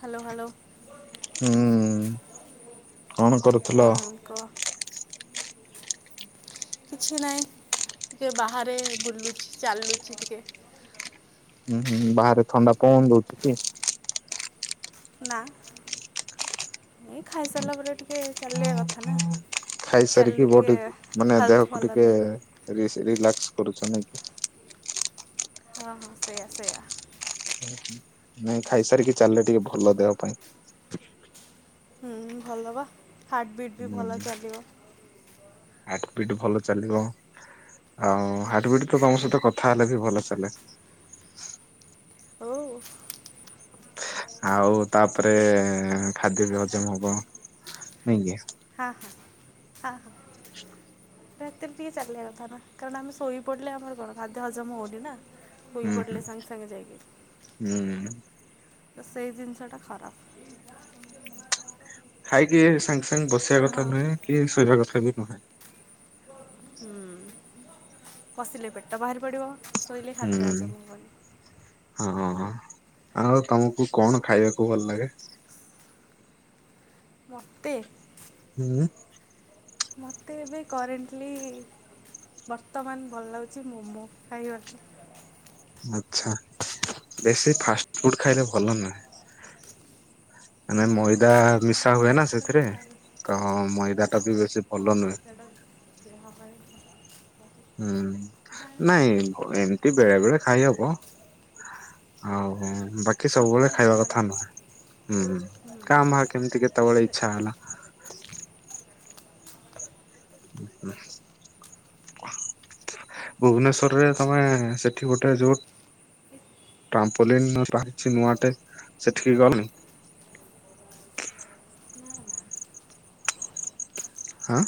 Hello hello ହୁଁ କଣ ହୁଁ କରୁଥିଲ। କହ [inaudible] କିଛି ନାହିଁ ଟିକେ ବାହାରେ ବୁଲୁଛି ଚାଲୁଛି ଟିକେ ହୁଁ ହୁଁ ବାହାରେ ଥଣ୍ଡା ପବନ ଦଉଛି କି? ନା ଏଇ ଖାଇସାରିଲା ପରେ ଟିକେ ଚାଲିବା କଥା ନା ଖାଇସାରିକି ଚାଲିଲେ ଟିକେ ବଡିକୁ ମାନେ ହେଲ୍ଥ ଦେହକୁ ଭଲ ଟିକେ ରୁହେ ରିଲାକ୍ସ କରୁଛ ନାଇ କି ହଁ ହଁ ସେଇଆ ସେଇଆ ହୁଁ ହୁଁ ନାଇଁ ଖାଇ ସାରିକି ଚାଲିଲେ ଟିକେ ଭଲ ଦେହ ପାଇଁ ହୁଁ ଭଲ ବା ହାର୍ଟ ବିଟ୍ ବି ଭଲ ହୁଁ ଚାଲିବ। ହାର୍ଟ ବିଟ ଭଲ ଚାଲିବ ଆଉ ହାର୍ଟ ବିଟ ତ ତମ ସହିତ କଥା ହେଲେ ବି ଭଲ ଚାଲେ। ହଉ ଆଉ ତାପରେ ଖାଦ୍ୟ ବି ହଜମ ହବ ନାଇଁ କି ହଁ ହଁ ହଁ ହଁ ଏତରେ ଟିକେ ଚାଲିବା କଥା ନା କାରଣ ଆମେ ଶୋଇ ପଡ଼ିଲେ ଆମର କଣ ଖାଦ୍ୟ ହଜମ ହଉନି ନା ସୋଇ ହୁଁ ହୁଁ ପଡ଼ିଲେ ସାଙ୍ଗେ ସାଙ୍ଗେ ଯାଇକି ହୁଁ। ତ ସେଇ ଜିନିଷ ଟା ଖରାପ ଖାଇକି ସାଙ୍ଗେ ସାଙ୍ଗେ ବସିବା ହଁ କଥା ନୁହେଁ କି ଶୋଇବା କଥା ବି ନୁହେଁ। ହୁଁ ପଶିଲେ ପେଟ ବାହାରି ପଡିବ। ଶୋଇଲେ ଖଦ୍ୟ ହୁଁ। ହଜମ ହବନି। ହଁ ଆଉ ତମକୁ କଣ ଖାଇବାକୁ ଭଲ ଲାଗେ? ମତେ ହୁଁ ମତେ ଏବେ କରେଣ୍ଟଲି ବର୍ତ୍ତମାନ ଭଲ ଲାଗୁଛି ମୋମୋ ଖାଇବାକୁ ଆଚ୍ଛା ବେଶୀ ଫାଷ୍ଟଫୁଡ ଖାଇଲେ ଭଲ ନୁହେଁ। ମାନେ ମଇଦା ମିଶା ହୁଏ ନା ସେଥିରେ ତ ମଇଦା ଟା ବି ବେଶୀ ଭଲ ନୁହେଁ। ଦେହ ପାଇଁ ହୁଁ ନାଇଁ ଏମିତି ବେଳେ ବେଳେ ଖାଇହବ ଆଉ ବଟ ବାକି ସବୁବେଳେ ସପ୍ତାହକୁ ଖାଇବା ଥରେ କଥା ନୁହେଁ ହୁଁ କାଁ ଭାଁ କେମତି କେତେବେଳେ ଇଚ୍ଛା ହେଲା। ଉଁ ହୁଁ ଭୁବନେଶ୍ଵରରେ ତମେ ସେଠି ଗୋଟେ ଯୋଉ ଟାମ୍ପଲୀନ ବାହାରିଛି ନୂଆ ଟେ ସେଠିକି ଗଲେ ଆଁ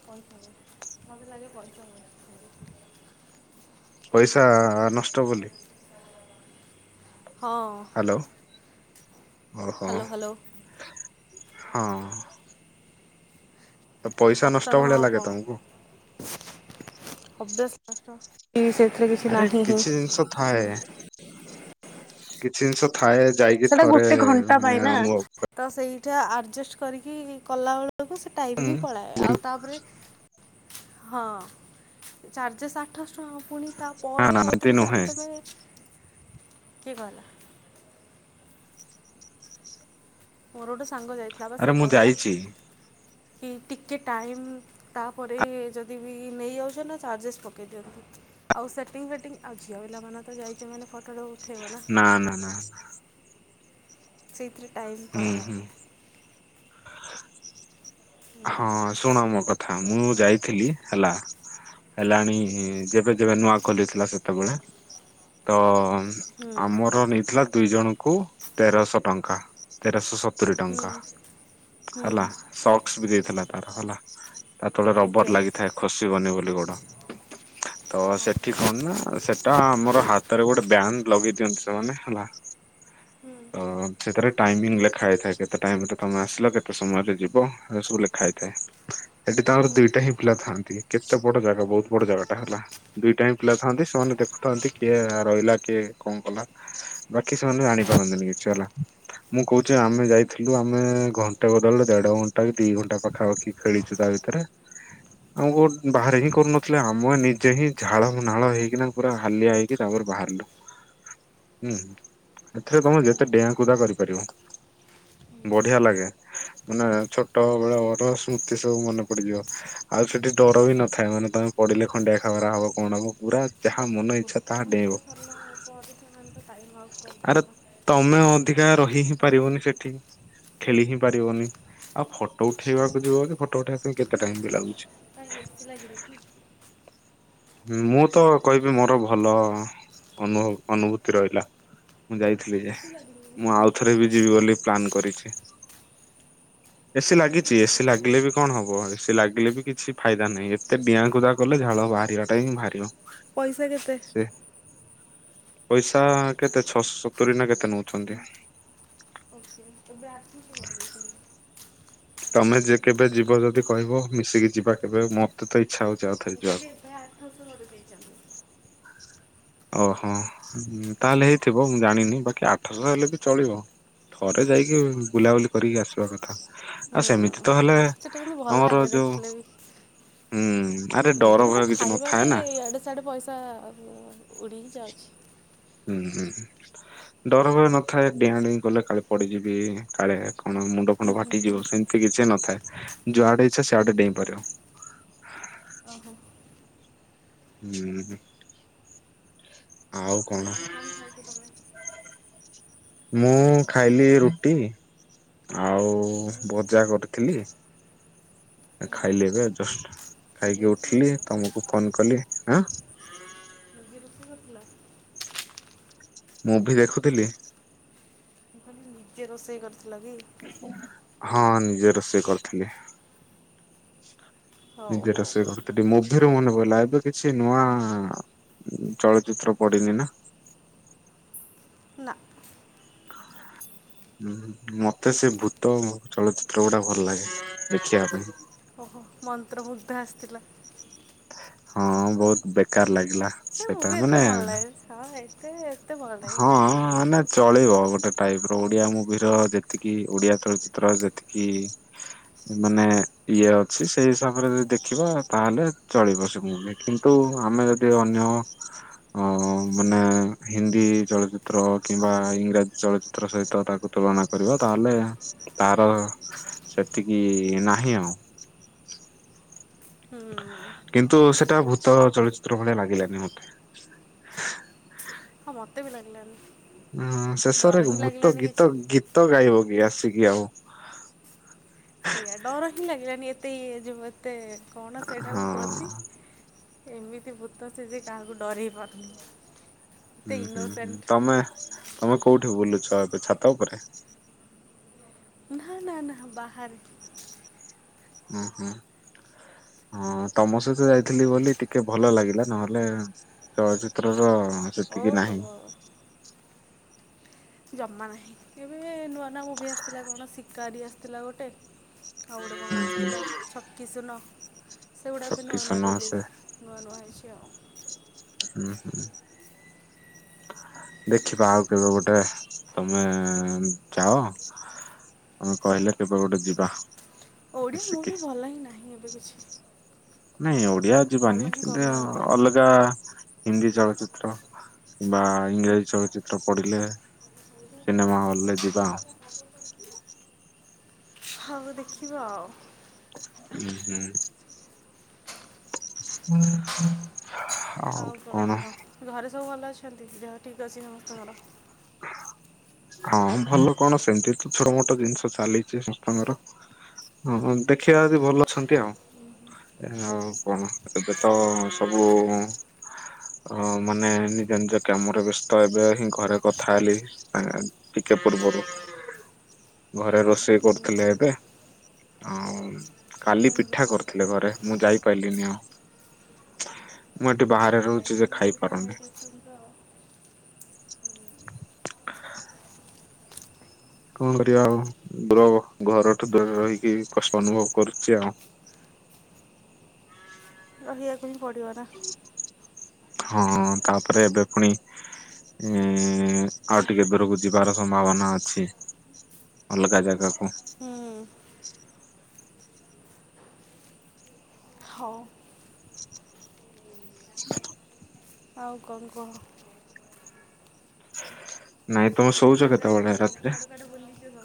ପଇସା ୱେଷ୍ଟେ ମତେ ଲାଗେ ପଇସା ୱେଷ୍ଟେ ପଇସା ନଷ୍ଟ ବୋଲି ହଁ ହ୍ୟାଲୋ ଓହୋ ହ୍ୟାଲୋ ହ୍ୟାଲୋ ହଁ ତ ପଇସା ନଷ୍ଟ କଷ୍ଟ ନୁହେଁ ଭଳିଆ ଆଉ ଲାଗେ କଣ ତମକୁ ଓବି୍ୟସଲି ନଷ୍ଟ ଟି ସେଥିରେ କିଛି ଆରେ ନାହିଁ ହିଁ କିଛି ଜିନିଷ ଥାଏ କିଛି ଜିନିଷ ଥାଏ ଯାଇକି ସେଟା ଥରେ ଗୋଟେ ଘଣ୍ଟା ପାଇଁ ମାନେ ନା ଅନୁଭବ କ ତ ସେଇଟା ଆଡ଼ଜଷ୍ଟ କରିକି କଲାବେଳକୁ ସେ ଟାଇମ୍ ହିଁ ନା ପଳାଏ ଆଉ ତାପରେ ହଁ ଚାର୍ଜେସ୍ ଆଠଶହ ଟଙ୍କା ପୁଣି ତାପରେ ନା ଏମିତି ଆଉଥରେ ନୁହେଁ ଯଦି ତମେ କିଏ କହିଲା? ମୋରୋ ଗୋଟେ ସାଙ୍ଗ ଯାଇଥିଲା ବା ଆରେ ସେ ମୁଁ କହିଲା। ଯାଇଛି କି ଟିକେ ଟାଇମ୍ ତାପରେ ଯଦି ବି ନେଇଯାଉଚ ନା ଚାର୍ଜେସ୍ ପକେଇ ଦିଅନ୍ତି। ଆଉ ସେଟିଙ୍ଗ ଫେଟିଙ୍ଗ ଆଉ ଝିଅ ପିଲା ମାନେ ତ ଯାଇଚ ମାନେ ଫଟଟେ ଉ ନା ନା ନା। ସେଇଥିରେ ଟାଇମ୍ ହୁଁ ପଳାଏ। ହୁଁ। ହୁଁ ହଁ ଶୁଣ ମୋ କଥା ମୁଁ ଯାଇଥିଲି ହେଲା? ହେଲାଣି ଯେବେ ଯେବେ ନୂଆ ଖୋଲିଥିଲା ସେତବଳେ ତ ଆମର ନେଇଥିଲା ଦୁଇ ଜଣଙ୍କୁ ତେରଶହ ଟଙ୍କା ତେରଶହ ସ ତୁରି ଟଙ୍କା ହୁଁ ହୁଁ ହେଲା ସକ୍ସ ବି ଦେଇଥିଲା ତାର ହେଲା। ତା ତଳେ ଓକେ ରବର ଲାଗିଥାଏ ଖସିବନି ବୋଲି ଗୋଡ଼। ତ ସେଠି କଣ ନା ସେଟା ଆମର ହାତରେ ଗୋଟେ ବ୍ୟାଣ୍ଡ ଲଗେଇ ଦିଅନ୍ତି ସେମାନେ ହେଲା। ଁ ହୁଁ ତ ସେଥେରେ ଟାଇମିଙ୍ଗ ଲେଖା ହେଇଥାଏ କେତେ ଟାଇମରେ ତମେ ଆସିଲ କେତେ ସମୟରେ ଯିବ। ଏରା ସବୁ ଲେଖା ହେଇଥାଏ। ହେଠି ତାଙ୍କର ଦିଟା ହିଁ ପିଲା ଥାଆନ୍ତି କେତେ ବଡ଼ ଜାଗା ବହୁତ ବଡ଼ ଜାଗା ଟା ହେଲା। ଦୁଇଟା ହିଁ ପିଲା ଥାଆନ୍ତି ସେମାନେ ଦେଖୁଥାନ୍ତି କିଏ ରହିଲା କିଏ କଣ କଲା। ବାକି ସେମାନେ ଜାଣିପାରନ୍ତିନି କିଛି ହେଲା। ମୁଁ କହୁଚି ଆମେ ଯାଇଥିଲୁ ଆମେ ଘଣ୍ଟେ ବଦଳରେ ଦେଢ ଘଣ୍ଟ ଟା କି ଦି ଘଣ୍ଟା ପାଖାପାଖି ଖେଳିଚୁ ତା ଭିତେରେ। ଆମକୁ କୋଉଠୁ ବାହାରେ ହିଁ କରୁନଥିଲେ ଆମ ନିଜେ ହିଁ ଝାଳ ନାଳ ହେଇକିନା ପୁରା ହାଲିଆ ହେଇକି ତାପର ବାହାରଲୁ। ହୁଁ ହୁଁ ହେଥିରେ ତମେ ଯେତେ ଡ଼ିଆଁକୁଦା କରିପାରିବ। ବଢ଼ିଆ ଲାଗେ ମାନେ ଛୋଟ ବେଳର ସ୍ମୃତି ସବୁ ମନେ ପଡ଼ିଯିବ। ଆଉ ସେଠି ଡ଼ର ବି ନଥାଏ ମାନେ ତମେ ପଡ଼ିଲେ ଖଣ୍ଡିଆ ଖାବେରା ହବ କଣ ହବ ପୁରା ଯାହା ବଟ୍ ମନ ଇଚ୍ଛା ଗୋଟେ ତାହା ଘଣ୍ଟା ଡ଼େଇଁବ। ସରିଲା ପରେ ସେମାନଙ୍କ ଟାଇମ୍ ଆଉଟ କରି ଆରେ ତମେ ଅଧିକା ରହି ହିଁ ପାରିବନି ସେଠି। ଖେଳି ହିଁ ପାରିବନି ଆଉ ଫଟୋ ଉଠେଇବାକୁ ଯିବ ଯଦି ଫଟୋ ଉଠେଇବା ପାଇଁ କେତେ ଟାଇମ୍ ବି ଲାଗୁଛି? [inaudible] ମୁଁ ତ କହିବି ମୋର ଭଲ ଅନୁଭ ଅନୁଭୂତି ରହିଲା। ମୁଁ ଯାଇଥିଲି ଯେ ମୁଁ ଆଉଥରେ ବି ଯିବି ବୋଲି ପ୍ଲାନ୍ କରିଛି। ଏସିି ପଇସା ଲାଗିଛି ଏସିି କେତେ ଲାଗିଲେ ବି କଣ ହବ ଏସିି ଲାଗିଲେ ବି କିଛି ଫାଇଦା ନାହିଁ ଏତେ ଡିଆଁ କୁଦା କଲେ ଝାଳ ବାହାରିବା ଟା ହିଁ ବାହାରିବ। ପଇସା କେତେ? ପଇସା କେତେ ଛଅଶ ସତୁରି ନା କେତେ ନଉଛନ୍ତି। ଓକେ ଏବେ [unintelligible] ତମେ ଯେ କେବେ ଯିବ ଯଦି କହିବ ମିଶିକି ଯିବା କେବେ ମତେ ତ ଇଚ୍ଛା ହଉଚି ଆଉଥରେ ମୁଁ କହିଲି ଯିବାକୁ। ଏବେ ଆଠଶହ କରି ଦେଇଚନ୍ତି। ଓହୋ ତାହେଲେ ହେଇଥିବ ମୁଁ ଜାଣିନି ବାକି ଆଠଶହ ହେଲେ ବି ଚଳିବ। ଥରେ ଯାଇକି ବୁଲାବୁଲି କରିକି ଆସିବା କଥା ହୁଁ ଆଉ ସେମିତି ତ ହେଲେ ସେଟା କିନ୍ତୁ ଭଲ ଆମର ଲାଗେ ଯୋଉ ଦେଖିଲେ ବି ଉଁ ଉଁ ଏମିତିରେ ତ ଖାଇବାରେ ଏ ଏ ଇଆଡ଼େ ସିଆଡ଼େ ପଇସା ଉଡ଼ିି ହିଁ ଯାଉଚି। ହୁଁ ହୁଁଁ ହୁଁ। ଡର ଭୟ ନଥାଏ ଡିିଆଁ ଡିଇଁ କଲେ କାଳେ ପଡିଯିବି କାଳେ କଣ ମୁ ଣ୍ଡ ଫାଟିଯିବ ସେମିତି କିଛି ନଥାଏ ଯୁଆଡେ ଇଛା ସେଆଡେ ଡେଇଁ ପାରିବ। ଓହୋ। ହୁଁ। ଆଉ କଣ? ଖାଇଦିଅ ତମେ। ମୁଁ ଖାଇଲି ରୁଟି ଆଉ ବଜା କରିଥିଲି। ଖାଇଲି ଏବେ ଯଷ୍ଟ୍ ନିଜେ ଖାଇକି ରୋଷେଇ ଉଠିଲି କରିଥିଲ ତମକୁ ଫୋନ୍ କଲି ଆଁ। ନିଜେ ରୋଷେଇ କରିଥିଲା ମୁଭି ଦେଖୁଥିଲି। ମୁଁ କହିଲି ନିଜେ ରୋଷେଇ କରିଥିଲ କି? ହଁ ନିଜେ ରୋଷେଇ କରିଥିଲି। ହଉ ନିଜେ ହଉ ରୋଷେଇ କରିଥିଲି ମୁଭିରୁ ମନେ ପଇଲା ଏବେ କିଛି ନୂଆ ଚଳଚିତ୍ର ପଡିନି ନା? ନା [inaudible] ହୁଁ ମତେ ସେ ଭୂତ ଚଳଚିତ୍ର ଗୁଡା ଭଲ ଲାଗେ ଦେଖିଆ ପାଇଁ। ଓହୋ ମନ୍ତ୍ରମୁଗ୍ଧ ଆସିଥିଲା। ହଁ ବହୁତ ବେକାର୍ ଲାଗିଲା ସେ ବି ଏତେ ଭଲ ଲାଗେ ହଁ ଏତେ ଏତେ ଭଲ ଲାଗେ ହଁ ସେ ମୁଭି ମାନେ ଚଳିବ ଗୋଟେ ଟାଇପ୍ ର ଓଡିଆ ମୁଭିର ଯେତିକି ଓଡିଆ ଚଳଚିତ୍ର ଯେତିକି ମାନେ ଇଏ ଅଛି ସେଇ ହିସାବରେ ଯଦି ଦେଖିବ ତାହେଲେ ଚଳିବ ସେ ମୁଁ କିନ୍ତୁ ଆମେ ଯଦି ଅନ୍ୟ ଅ ମାନେ ହିନ୍ଦୀ ଚଳଚିତ୍ର କିମ୍ବା ଇଂରାଜୀ ଚଳଚିତ୍ର ସହିତ ତାକୁ ତୁଳନା କରିବ ତାହେଲେ ତାର ସେତିକି ନାହିଁ ଆଉ। କିନ୍ତୁ ସେଟା ଭୂତ ଚଳଚିତ୍ର ଭଳିଆ ଲାଗିଲାନି ମତେ। ହଁ ମତେ ବି ଲାଗିଲାନି। ହୁଁ ଶେଷରେ ଡର ହିଁ ଭୂତ ଲାଗିଲାନି କିଛି ଗୀତ ଗୀତ ଗାଇବ କି ଆସିକି ଆଉ। ସେଇଆ ଡର ହିଁ ଲାଗିଲାନି ଏତେ ଇଏ ଯେଉଁ ଏତେ କଣ ହଁ। ସେଇଟାକୁ କୁହନ୍ତି? ଏମିତି ଭୂତ ସେ ଯେ କାହାକୁ ଡରେଇ ପାରୁନି। ଏତେ ହୁଁ ହୁଁ ହୁଁ ଇନୋସେଣ୍ଟ ତମେ ତମେ କୋଉଠି ବୁଲୁଛ ଏବେ ଛାତ ଉପରେ? ନା ନା ନା ବାହାରେ। ଉଁ ହୁଁ। ହଁ ତମ ସହିତ ଯାଇଥିଲି ବୋଲି ଟିକେ ଭଲ ଲାଗିଲା ନହେଲେ ଚଳଚିତ୍ର ର ସେ ଓ ହୋ। ଜମା ନାହିଁ ଏବେ ନୂଆ ନୂଆ ମୁଭି ଆସିଥିଲା କଣ ଶିକାରୀ ଆସିଥିଲା ଗୋଟେ। ଆଉ ଗୋଟେ କଣ ଆସିଥିଲା ଛକିଶୁନ ସେଗୁଡ଼ାବି ଛକି ନୂଆ ନୂଆ ସୁନ ଆସେ ରିଲିଜ୍। ନୁଆ ନୁଆ ହେଇଛି ଆଉ। ହୁଁ ହୁଁ। ଦେଖିବା ଆଉ କେବେ ଗୋଟେ ତମେ ଯାଅ। ହଁ କହିଲେ କେବେ ଗୋଟେ ଯିବା। ଓଡ଼ିଆ ମିଶିକି। ମୁଭି ଭଲ ହିଁ ନାହିଁ ଏବେ କିଛି। ନାଇଁ ଓଡିଆ ଭଲ ଯିବାନି ହିଁ କିନ୍ତୁ କରୁନାହାନ୍ତି ଅଲ ଗା ହିନ୍ଦୀ ଚଳଚିତ୍ର କିମ୍ବା ଇଂରାଜୀ ଚଳଚିତ୍ର ପଡ଼ିଲେ। ସିନେମା ହଲ ରେ ଯିବା ଆଉ। ହଉ ଦେଖିବା ଆଉ। ହୁଁ ହୁଁ। ହୁଁ ହୁଁ। ଆଉ କଣ କୁହ? ଘରେ ସବୁ ଭଲ ଅଛନ୍ତି। ଦେହ ଠିକ୍ ଅଛି ସମସ୍ତଙ୍କର। ହଁ ଭଲ କଣ ସେମିତି ତ ଛୋଟ ମୋଟ ଜିନିଷ ଚାଲିଚି ସମସ୍ତଙ୍କର। ହ ହିଁ ଦେଖିବା ଯଦି ଭଲ ଅଛନ୍ତି ଆଉ। ଆଉ କଣ ଏବେ ତ ସବୁ ଅ ମାନେ ନିଜ ନିଜ କାମରେ ବ୍ୟସ୍ତ। ତ ଏବେ ହିଁ ଘରେ କଥା ହେଲି, ଆ ଟିକେ ପୂର୍ବରୁ। ଘରେ ରୋଷେଇ କରୁଥିଲେ ଏବେ। ଆଉ କାଲି କ'ଣ ପିଠା ରୋଷେଇ କରି ଥିଲେ କରିଥିଲେ ଘରେ। ମୁଁ ଯାଇପାରିଲିନି ଆଉ। ମୁଁ ଏଠି ବାହାରେ ରହୁଚି ଯେ ଖାଇପାରୁନି। ଅସୁଗ। [unintelligible] କଣ କରିବା ଆଉ। ଦୁର ଘରଠୁ ଦୁରରେ ରହିକି କଷ୍ଟ ଅନୁଭବ କରୁଚି ଆଉ। ରହିବାକୁ ହିଁ ପଡିବ ନା। ହଁ ତାପରେ ଏବେ ପୁଣି ଏଁ ଆଉ ଟିକେ ଦୁରକୁ ଯିବାର ସମ୍ଭାବନା ଅଛି। ଅଲଗା ଜାଗାକୁ। ହୁଁ ହଁ ହ [unintelligible] ଆଉ କଣ କୁହ? ନାଇଁ ତମେ ଶୋଉଚ କେତେବେଳେ ରାତିରେ? ରାତି ଦଶଟା।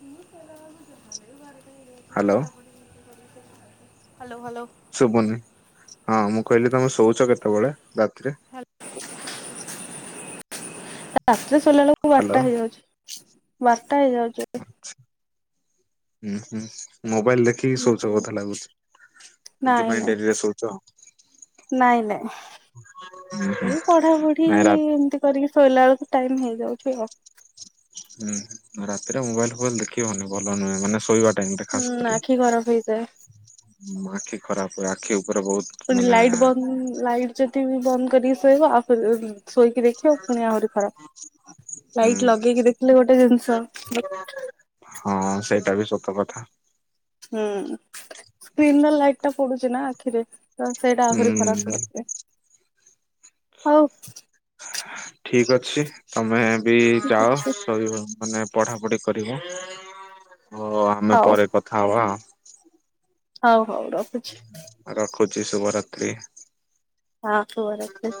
ସେ ମଳ ବି ବାରେଟା ଏଇ ହ୍ୟାଲୋ ପଢା ପଢି। Hello hello. ଶୁଭୁନି ହଁ ମୁଁ କହିଲି ତମେ ଶୋଉଚ କେତେବେଳେ ରାତିରେ। ହ୍ୟାଲୋ ରାତିରେ ସୋଇଲା ବେଳକୁ ହ୍ୟାଲୋ ବାରଟା ହେଇଯାଉଚି। ବାରଟା ହେଇଯାଉଚି। ଆଛା ହୁଁ ହୁଁ ମୋବାଇଲ ଦେଖିକି ଶୋଉଚ ବୋଧେ ଲାଗୁଚି। ନାଇଁ ସେଥିପାଇଁ ନାଇଁ ଡେରି ରେ ଶଉଚ। ନାଇଁ ନାଇଁ ଏଇ ପଢା ପଢି ନାଇଁ ରା ଏମତି। କରିକି ଶୋଇଲା ବେଳକୁ। ଟାଇମ ହେଇଯାଉଚି ଆଉ। ହୁଁ ରାତିରେ ମୋବାଇଲ ଫୋବାଇଲ ଦେଖିବନି। ଭଲ ନୁହେଁ ମାନେ ଶୋଇବା- - ହୁଁ ଆଖି ଖରାପ ହେଇଥାଏ। ମୋ ଆଖି ଖରାପ ହୁଏ, ଆଖି ଉପରେ ବହୁତ - - ପୁଣି ଲାଇଟ୍ ବନ୍ଦ, ଲାଇଟ୍ ଯଦି ବି ବନ୍ଦ, କରିକି ଶୋଇବ ଆଉଥରେ ଶୋଇକି ଦେଖିବ ପୁଣି ଆହୁରି ଖରାପ। ହୁଁ ଲାଇଟ ଲଗେଇକି ଦେଖିଲେ ଗୋଟେ ଜିନିଷ। ହଁ ସେଇଟା ବି ସତ କଥା। ହୁଁ ସ୍କ୍ରିନରେ ଲାଇଟ ଟା ପଡୁଛି ନା ଆଖିରେ। ତ ସେଇଟା ଆହୁରି ହୁଁ। ଖରାପ ହଉଛିଏ ହଉ। ଠିକ ଅଛି ତମେ ଏବେ ଠିକ ଯାଅ ଅଛି ଶୋଇବ। ମାନେ ପଢା ପଢି କରିବ ଓ ଆମେ ହଉ ପରେ କଥା ହବା। ହଉ ହଉ ର। ରଖୁଚି ଶୁଭରାତ୍ରି। ହଁ ସୁଭରାତ୍ରି।